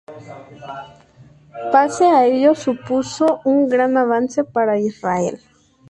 Pese a ello, supuso un gran avance para Israel.